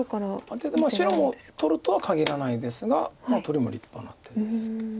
アテて白も取るとは限らないですが取りも立派な手ですけど。